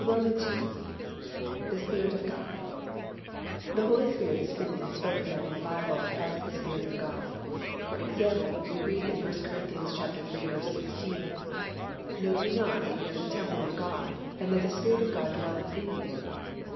II. The Spirit of God. The Holy Spirit is frequently spoken of in the Bible as the Spirit of God. For example we read in 1 Cor. iii. 16, "Know ye not that ye are the temple of God, and that the Spirit of God dwelleth in you."